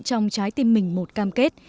trong trái tim mình một cam kết